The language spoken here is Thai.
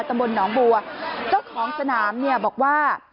ตำบลหนองบัวเจ้าของสนามเนี่ยบอกว่า